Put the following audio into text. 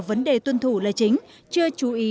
vấn đề tuân thủ lợi chính chưa chú ý